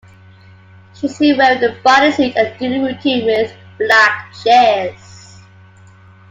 She is seen wearing a bodysuit and doing a routine with black chairs.